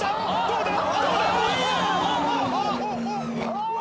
どうだ